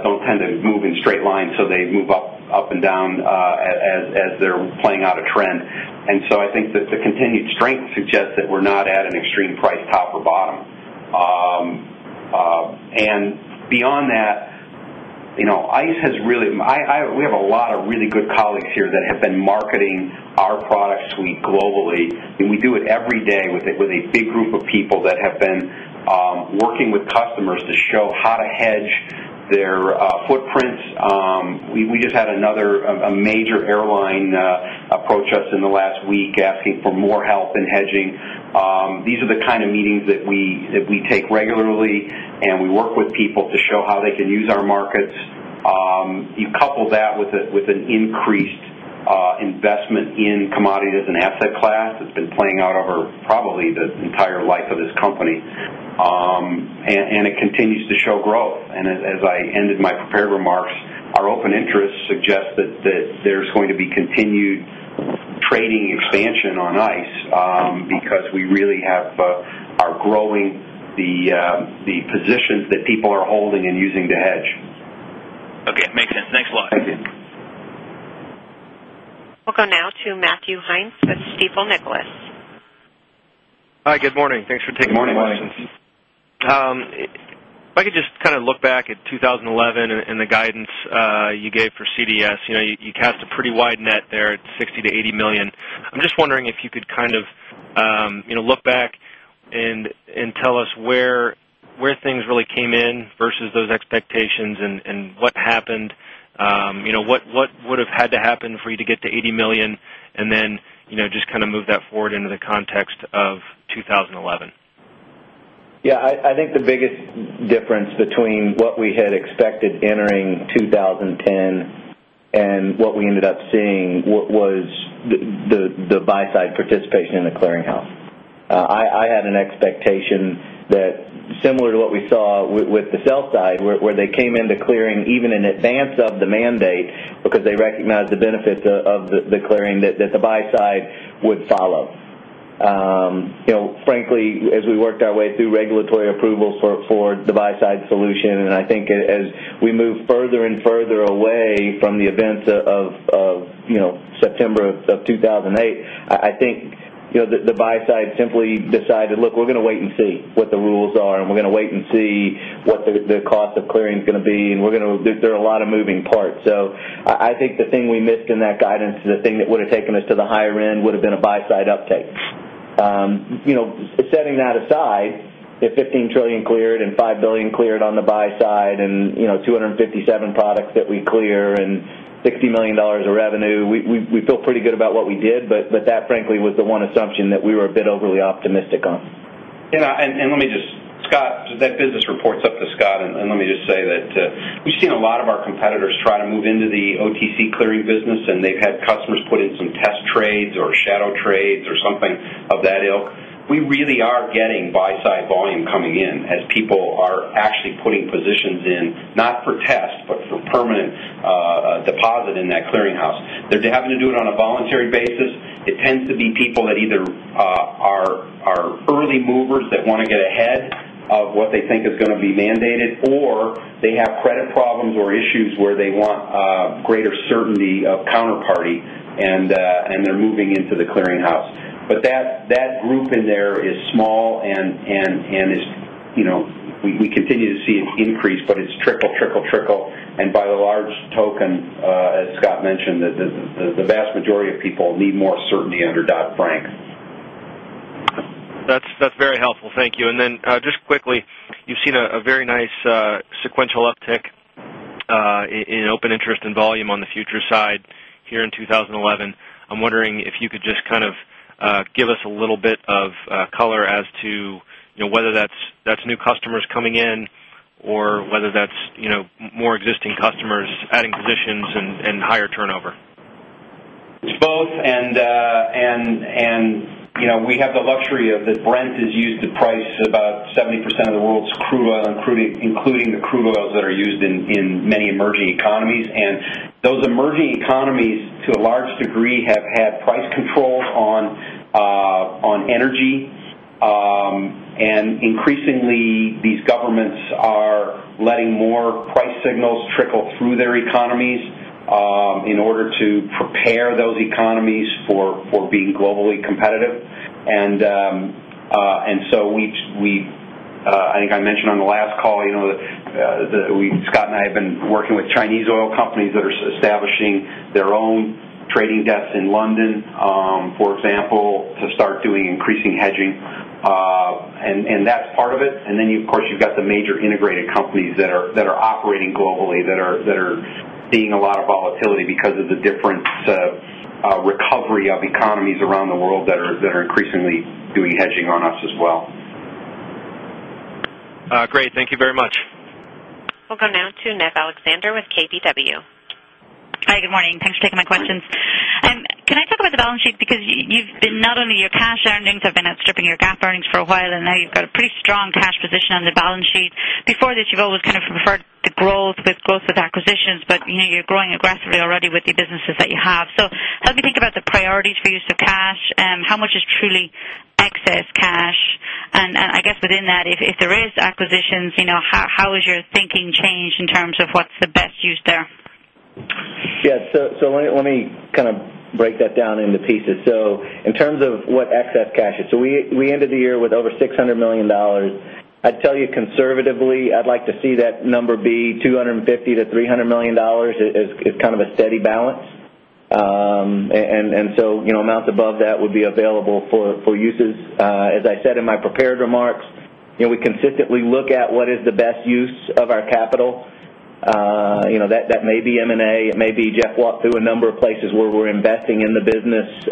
don't tend to move in straight line, so they move up and down as they're playing out a trend. And so I think that the continued strength suggests that we're not at an extreme price top or bottom. And beyond that, ICE has really we have a lot of really good colleagues here that have been marketing our product suite globally. We do it every day with a big group of people that have been working with customers to show how to hedge their footprints. We just had another a major airline approach us in the last week asking for more help in hedging. These are the kind of meetings that we take regularly and we work with people to show how they can use our markets. You couple that with an increased investment in commodities and asset class. It's been playing out over probably the entire life of this company, and it continues to show growth. And as I ended my prepared remarks, our open interest suggests that there's going to be continued trading expansion on ICE because we really have are growing the positions that people are holding and using to hedge. Okay, makes sense. Thanks a lot. Thank you. We'll go now to Matthew Hynes with Stifel Nicolaus. Hi, good morning. Thanks for taking my questions. I could just kind of look back at 2011 and the guidance you gave for CDS, you cast a pretty wide net there at $60,000,000 to $80,000,000 I'm just wondering if you could kind of look back and tell us where things really came in versus those expectations and what happened What would have had to happen for you to get to $80,000,000 and then just kind of move that forward into the context of 2011? Yes. I think the biggest difference between what we had expected entering 2010 and what we ended up seeing was the buy side participation in the clearinghouse. I had an expectation that similar to what we saw with the sell side where they came into clearing even in advance of the mandate because they recognized the benefits of the clearing that the buy side would follow. Frankly, as we worked our way through regulatory approvals for the buy side solution and I think as we move further and further away from the events of September of 2,008, I think the buy side simply decided, look, we're going to wait and see what the rules are and we're going to wait and see what the cost of clearing is going to be and we're going to there are a lot of moving parts. So I think the thing we missed in that guidance is the thing that would have taken us to the higher end would have been a buy side uptake. Setting that aside, the $15,000,000,000,000 cleared and $5,000,000,000 cleared on the buy side and $257 products that we clear and $60,000,000 of revenue, we feel pretty good about what we did, but that frankly was the one assumption that we were a bit overly optimistic on. And let me just Scott, that business reports up to Scott and let me just say that we seen a lot of our competitors try to move into the OTC clearing business and they've had customers put in some test trades or shadow trades or something of that ilk. We really are getting buy side volume coming in as people are actually putting positions in not for test but for permanent deposit in that clearinghouse. They're having to do it on a voluntary basis. It tends to be people that either are early movers that want to get ahead of what they think is going to be mandated or they have credit problems or issues where they want greater certainty of counterparty and they're moving into the clearinghouse. But that group in there is small and we continue to see an increase, but it's trickle, trickle, trickle. And by the large token, as Scott mentioned, the vast majority of people need more certainty under Dodd Frank. That's very helpful. Thank you. And then just quickly, you've seen a very nice sequential uptick in open interest and volume on the future side here in 2011. I'm wondering if you could just kind of give us a little bit of color as to whether that's new customers coming in or whether that's more existing customers adding positions and higher turnover? It's both. And we have the luxury of the Brent is used to price about 70% of the world's crude oil, including the crude oils that are used in many emerging economies. And those emerging economies, to a large degree, have had price controls on energy. And increasingly these governments are letting more price signals trickle through their economies in order to prepare those economies for being globally competitive. And so, I think I mentioned on the last call, Scott and I have been working with Chinese oil companies that are establishing their own trading debts in London, for example, to start doing increasing hedging and that's part of it. And then, of course, you've got the major integrated companies that are operating globally that are seeing a lot of volatility because of the different recovery of economies around the world that are increasingly doing hedging on us as well. Great. Thank you very much. We'll go now to Neff Alexander with KBW. Hi, good morning. Thanks for taking my questions. Can I talk about the balance sheet because you've been not only your cash earnings have been stripping your GAAP earnings for a while and now you've got a pretty strong cash position on the balance sheet? Before this, you've always kind of preferred the growth with growth with acquisitions, but you're growing aggressively already with the businesses that you have. So help me think about the priorities for use of cash and how much is truly excess cash? And I guess within that, if there is acquisitions, how has your thinking changed in terms of what's the best use there? Yes. So let me kind of break that down into pieces. So in terms of what excess cash is, so we ended the year with over $600,000,000 I'd tell you conservatively, I'd like to see that number be $250,000,000 to $300,000,000 as kind of a steady balance. And so, amounts above that would be available for uses. As I said in my prepared remarks, we consistently look at what is the best use of our capital. That may be M and A, it may be Jeff walked through a number of places where we're investing in the business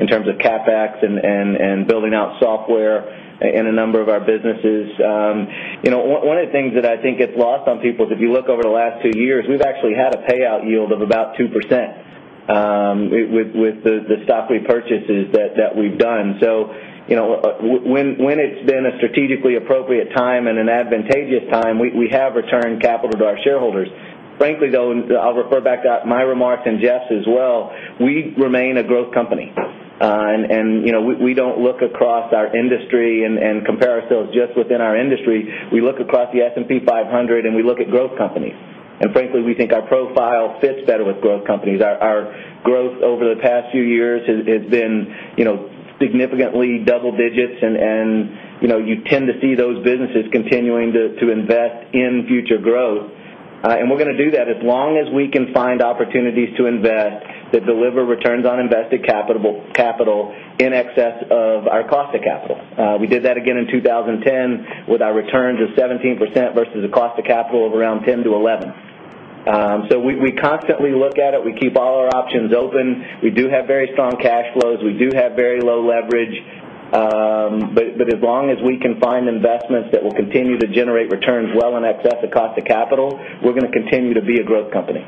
in terms of CapEx and building out software in a number of our businesses. One of the things that I think it's lost on people is if you look over the last 2 years, we've actually had a payout yield of about 2% with the stock repurchases that we've done. So when it's been a strategically appropriate time and an advantageous time, we have returned capital to our shareholders. Frankly though, and I'll refer back to my remarks and Jeff's as well, we remain a growth company. And we don't look across our industry and compare ourselves just within our industry. We look across the S and P 500 and we look at growth companies. And frankly, we think our profile fits better with growth companies. Our growth over the past few years has been significantly double digits and you tend to see those businesses continuing to invest in future growth. And we're going to do that as long as we can find opportunities to invest that deliver returns on invested capital in excess of our cost of capital. We did that again in 2010 with our returns of 17% versus the cost of capital of around 10% to 11 percent. So we constantly look at it. We keep all our options open. We do have very strong cash flows. We do have very low leverage. But as long as we can find investments that will continue to generate returns well in excess of cost of capital, we're going to continue to be a growth company.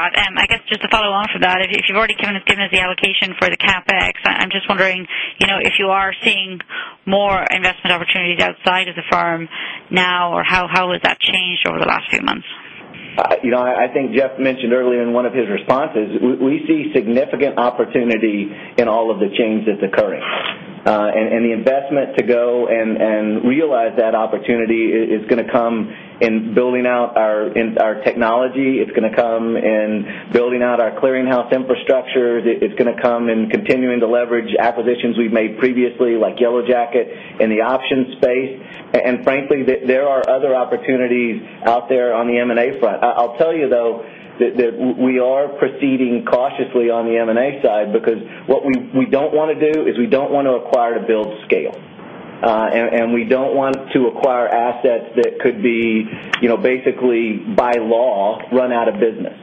Thanks, Scott. I guess just a follow on for that, if you've already given us the allocation for the CapEx, I'm just wondering if you are seeing more investment opportunities outside of the firm now or how has that changed over the last few months? I think Jeff mentioned earlier in one of his responses, we see significant opportunity in all of the change that's occurring. And the investment to go and realize that opportunity is going to come in building out our technology. It's going to come in building out our clearinghouse infrastructure. It's going to come in continuing to leverage acquisitions we've made previously like Yellow Jacket in the option space. And frankly, there are other opportunities out there on the M and A front. I'll tell you though that we are proceeding cautiously on the M and A side because what we don't want to do is we don't want to acquire to build scale. And we don't want to acquire assets that could be basically by law run out of business.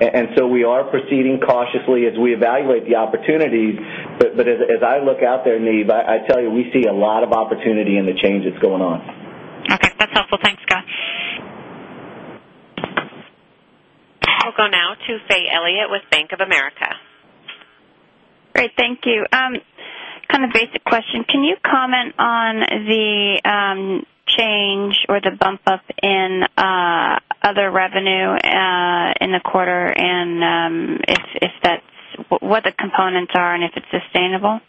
And so we are proceeding cautiously as we evaluate the opportunities. But as I look out there, Neeb, I tell you we see a lot of opportunity in the change that's going on. Okay. That's helpful. Thanks, Scott. We'll go now to Faye Elliott with Bank of America. Great. Thank you. Kind of basic question. Can you comment on the change or the bump up in other revenue in the quarter and if that's what the components are and if it's sustainable?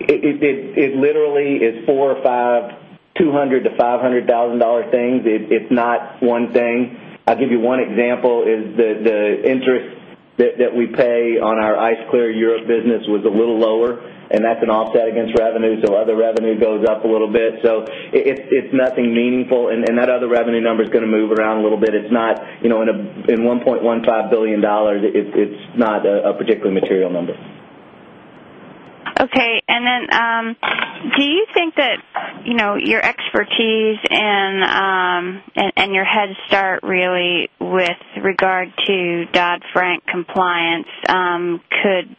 It literally is $400,000 or $500,000 to $500,000 things. It's not one thing. I'll give you one example is the interest that we pay on our ICE Clear Europe business was a little lower and that's an offset against revenue. So other revenue goes up a little bit. So it's nothing meaningful and that other revenue number is going to move around a little bit. It's not in $1,150,000,000 it's not a particularly material number. Okay. And then, do you think that your expertise and your head start really with regard to Dodd Frank compliance could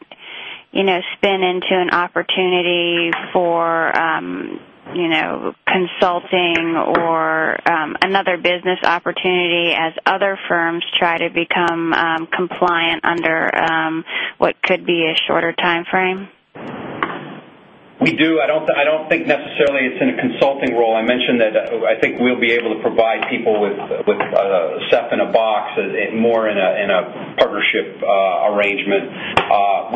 spin into an opportunity for consulting or another business opportunity as other firms try to become compliant under what could be a shorter timeframe? We do. I don't think necessarily it's in a consulting role. I mentioned that I think we'll be able to provide people with stuff in a box more in a partnership arrangement.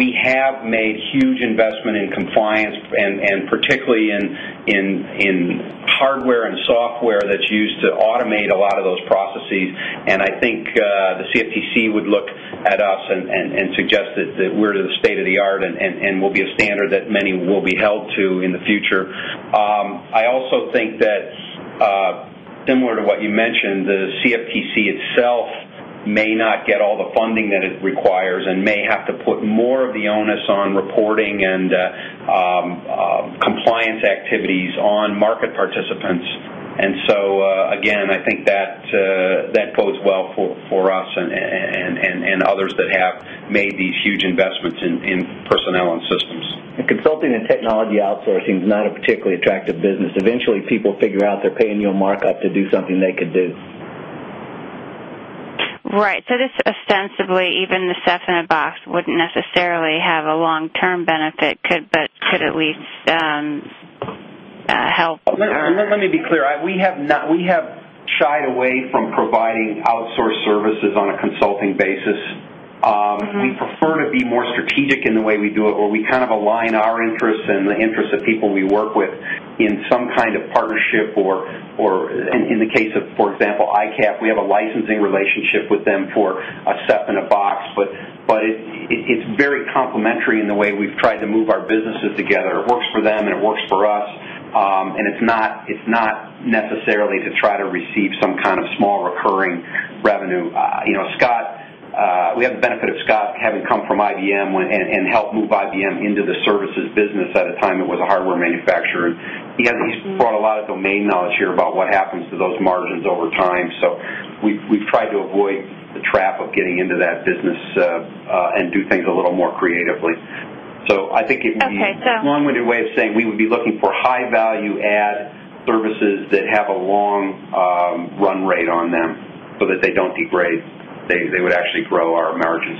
We have made huge investment in compliance and particularly in hardware and software that's used to automate a lot of those processes, and I think the CFTC would look at us and suggest that we're the state of the art and will be a standard that many will be held to in the future. I also think that similar to what you mentioned, the CFTC itself may not get all the funding that it requires and may have to put more of the onus on reporting and compliance activities on market participants. And so again, I think that bodes well for us and others that have made these huge investments in personnel and systems. And consulting and technology outsourcing is not a particularly attractive business. Eventually people figure out they're paying you a markup to do something they could do. Right. So this ostensibly even the seffinet box wouldn't necessarily have a long term benefit could at least help our Let me be clear. We have shied away from providing outsourced services on a consulting basis. We prefer to be more strategic in the way we do it where we kind of align our interests and the interests of people we work with in some kind of partnership or in the case of, for example, ICAP, we have a licensing relationship with them for a set in a box. But it's very complementary in the way we've tried to move our businesses together. It works for them and it works for us. And it's not necessarily to try to receive some kind of small recurring revenue. Scott we have the benefit of Scott having come from IBM and helped move IBM into the services business at a time it was a hardware manufacturer. And he's brought a lot of domain knowledge here about what happens to those margins over time. So we've tried to avoid the trap of getting into that business and do things a little more creatively. So, I think it would be a long winded way of saying we would be looking for high value add services that have a long run rate on them so that they don't degrade. They would actually grow our margins.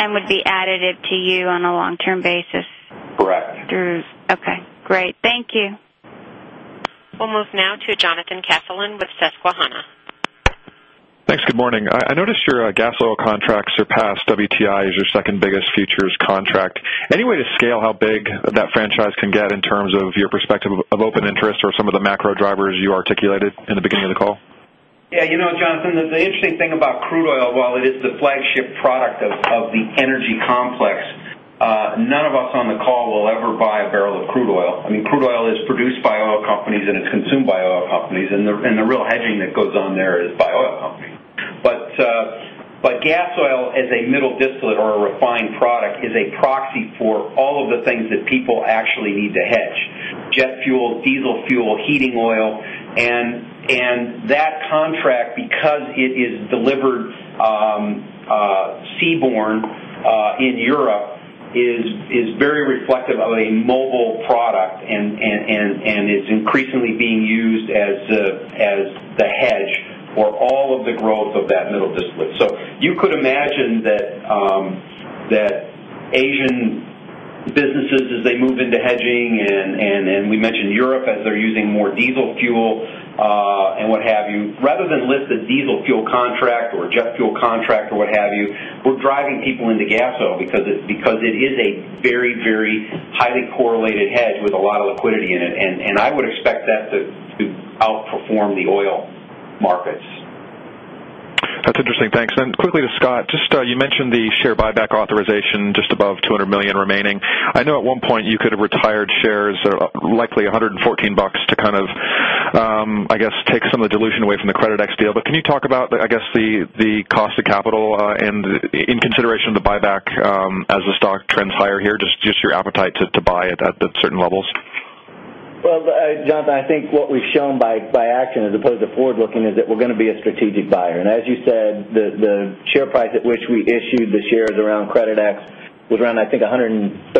And would be additive to you on a long term basis? Correct. Okay, great. Thank you. We'll move now to Jonathan Casselin with Susquehanna. Thanks. Good morning. I noticed your gas oil contracts surpassed WTI as your 2nd biggest futures contract. Any way to scale how big that franchise can get in terms of your perspective of open interest or some of the macro drivers you articulated in the beginning of the call? Yes. You know, Jonathan, the interesting thing about crude oil, while it is the flagship product of the energy complex, none of us on the call will ever buy a barrel of crude oil. I mean crude oil is produced by oil companies and it's consumed by oil companies, and the real hedging that goes on there is by oil companies. But gas oil as a middle distillate or a refined product is a proxy for all of the things that people actually need to hedge: jet fuel, diesel fuel, heating oil, and that contract, because it is delivered seaborne in Europe is very reflective of a mobile product and is increasingly being used as the hedge for all of the growth of that middle distillate. So you could imagine that Asian businesses, as they move into hedging and we mentioned Europe as they're using more diesel fuel and what have you, rather than list the diesel fuel contract or jet fuel contract or what have you, we're driving people into gas oil because it is a very, very highly correlated hedge with a lot of liquidity in it, and I would expect that to outperform the oil markets. That's interesting. Thanks. And then quickly to Scott, just you mentioned the share buyback authorization just above $200,000,000 remaining. I know at one point you could have retired shares or likely $114 to kind of, I guess take some of the dilution away from the CreditX deal. But can you talk about, I guess, the cost of capital and in consideration of the buyback as the stock trends higher here, just your appetite to buy it at certain levels? Well, Jonathan, I think what we've shown by action as opposed to forward looking is that we're going to be a strategic buyer. And as you said, the share price at which we issued the shares around Creditex was around I think $113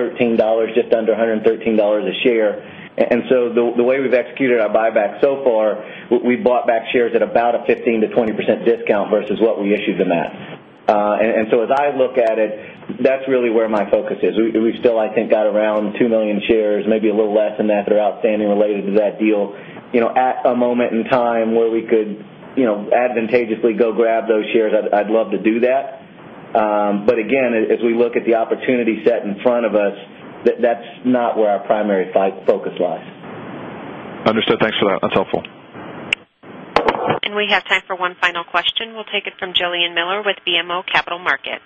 just under $113 a share. And so the way we've executed our buyback so far, we bought back shares at about a 15% to 20% discount versus what we issued in that. And so as I look at it, that's really where my focus is. We still I think got around 2,000,000 shares, maybe a little less than that that are outstanding related to that deal At a moment in time where we could advantageously go grab those shares, I'd love to do that. But again, as we look at the opportunity set in front of us, that's not where our primary focus lies. Understood. Thanks for that. That's helpful. And we have time for one final question. We'll take it from Jillian Miller with BMO Capital Markets.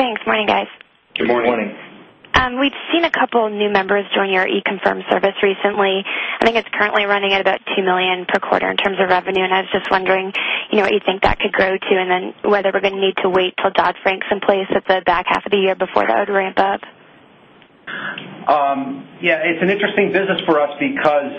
Thanks. Good morning, guys. Good morning. Good morning. We've seen a couple of new members join your e confirm service recently. I think it's currently running at about 2,000,000 quarter in terms of revenue and I was just wondering what you think that could grow to and then whether we're going to need to wait till Dodd Frank's in place at the back half of the year before that would ramp up? Yes, it's an interesting business for us because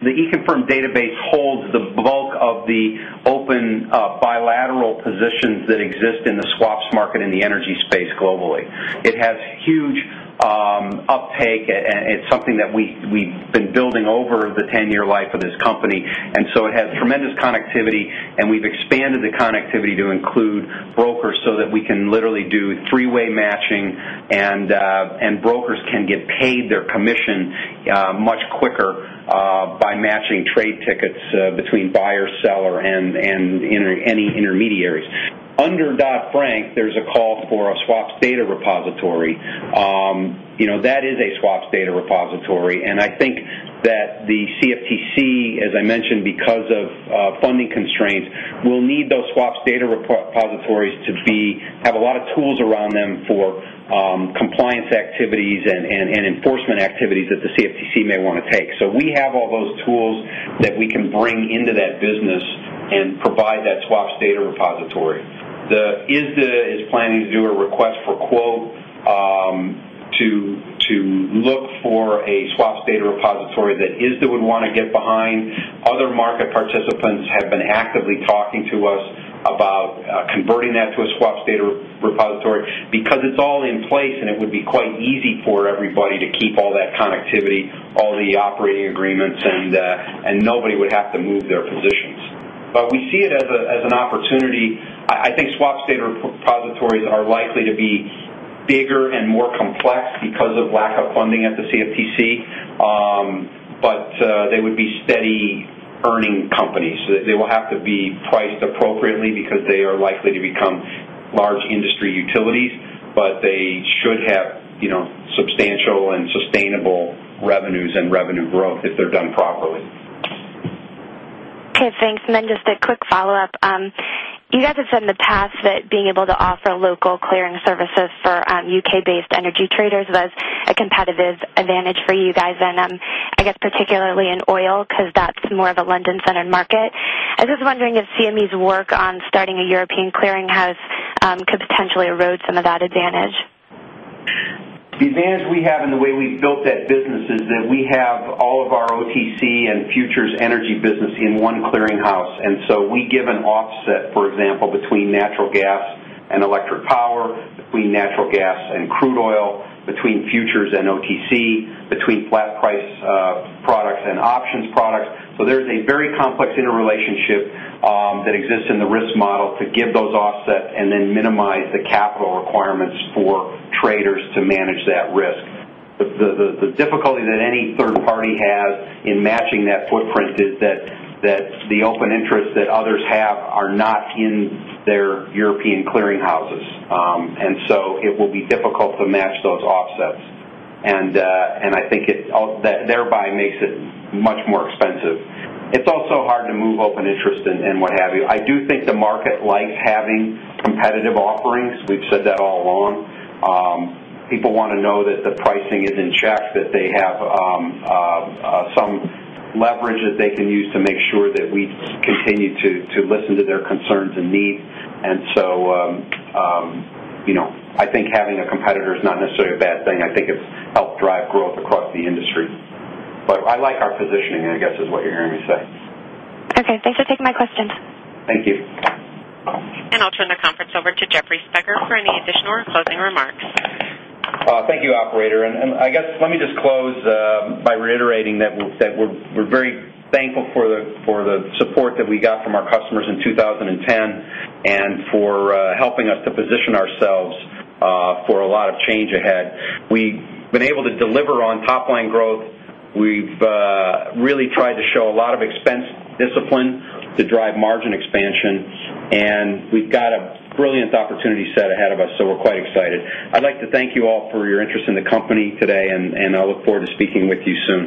the econfirm database holds the bulk of the open bilateral positions that exist in the swaps market in the energy space globally. It has huge uptake and it's something that we've been building over the 10 year life of this company, and so it has tremendous connectivity and we've expanded by matching trade by matching trade tickets between buyer, seller and any intermediaries. Under Dodd Frank, there's a call for a swaps data repository. That is a swaps data repository. And I think that the CFTC, as I mentioned, because of funding constraints, will need those swaps data repositories to be have a lot of tools around them for compliance activities and enforcement activities that the CFTC may want to take. So we have all those tools that we can bring into that business and provide that swaps data repository. ISDA is planning to do a request for quote to look for a swaps data repository that ISDA would want to get behind. Other market participants have been actively talking to us about converting that to a swaps data repository because it's all in place and it would be quite easy for everybody to keep all that connectivity, all the operating agreements and nobody would have to move their positions. But we see it as an opportunity. I think swap state repositories are likely to be bigger and more complex because of lack of funding at the CFTC, but they would be steady earning companies. They will have to be priced appropriately because they are likely to become large industry utilities, but they should have substantial and sustainable revenues and revenue growth if they're done properly. Okay, thanks. And then just a quick follow-up. You guys have said in the past that being able to offer local clearing services for U. K.-based energy traders was a competitive advantage for you guys and I guess particularly in oil because that's more of a London centered market. I was just wondering if CME's work on starting a European clearinghouse could potentially erode some of that advantage. The advantage we have in the way we've built that business is that we have all of our OTC and futures energy business in one clearinghouse. And so, we give an offset, for example, between natural gas and electric power, between natural gas and crude oil, between futures and OTC, between flat price products and options products. So, there's a very complex interrelationship that exists in the risk model to give those offsets and then minimize the capital requirements for traders to manage that risk. The difficulty that any third party has in matching that footprint is that the open interest that others have are not in their European clearinghouses. And so it will be difficult to match those offsets. And I think it thereby makes it much more expensive. It's also hard to move open interest and what have you. I do think the market likes having competitive offerings. We've said that all along. People want to know that the pricing is in check that they have some leverage that they can use to make sure that we continue to listen to their concerns and needs. And so, I think having a competitor is not necessarily a bad thing. I think it's helped drive growth across the industry. But I like our positioning, I guess is what you're hearing me say. Okay. Thanks for taking my questions. Thank you. And I'll turn the conference over to Jeffrey Spector for any additional or closing remarks. Thank you, operator. And I guess let me just close by reiterating that we're very thankful for the support that we got from our customers in 2010 and for helping us to position ourselves for a lot of change ahead. We've been able to deliver on top line growth. We've really tried to show a lot of expense discipline to drive margin expansion, and we've got a brilliant opportunity set ahead of us, so we're quite excited. I'd like to thank you all for your interest in the company today and I look forward to speaking with you soon.